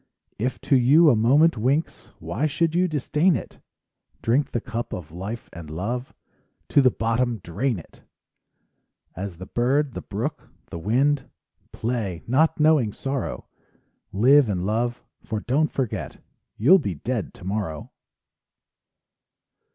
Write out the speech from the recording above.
If to you a moment winks— Why should you disdain it? Drink the cup of life and love, To the bottom drain it! As the bird, the brook, the wind, Play, not knowing sorrow; Live and love, for don't forget— You'll be dead tomorrow!